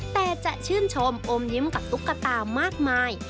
แต่จะชื่นชมอมยิ้มกับตุ๊กตามากมาย